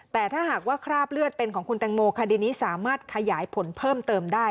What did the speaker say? แต่ถ้าหากว่าคราบเลือดเป็นของคุณตังโมคดีนี้สามารถขยายผลเพิ่มเติมได้